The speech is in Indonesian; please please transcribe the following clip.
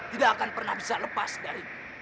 tidak akan pernah bisa lepas dari